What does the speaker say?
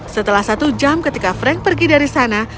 setelah satu jam ketika frank pergi dari sana